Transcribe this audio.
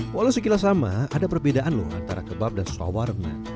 walau sekilas sama ada perbedaan loh antara kebab dan sawarnya